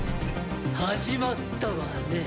始まったわね。